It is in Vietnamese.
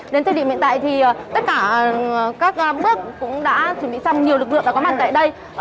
đến thời điểm hiện tại thì tất cả các bước cũng đã chuẩn bị xong nhiều lực lượng đã có mặt tại đây